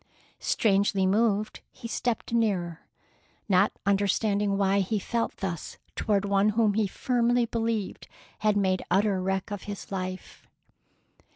Strangely moved, he stepped nearer, not understanding why he felt thus toward one whom he firmly believed had made utter wreck of his life.